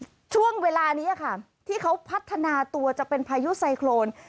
ช่วงเวลานี้ค่ะที่เขาพัฒนาตัวจะเป็นพายุไซโครน